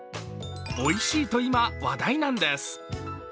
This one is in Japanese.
おいしいと今、話題なんです。